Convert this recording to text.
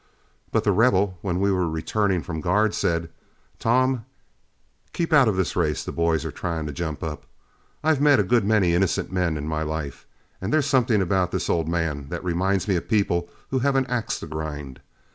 But The Rebel, when we were returning from guard, said, "Tom, you keep out of this race the boys are trying to jump up. I've met a good many innocent men in my life, and there's something about this old man that reminds me of people who have an axe to grind.